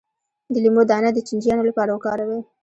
د لیمو دانه د چینجیانو لپاره وکاروئ